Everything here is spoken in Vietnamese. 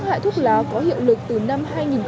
tốc hại thuốc lá có hiệu lực từ năm hai nghìn một mươi ba